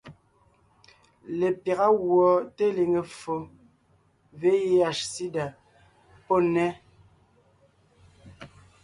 Lepyága gùɔ teliŋe ffo (VIH/SIDA) pɔ́ nnέ,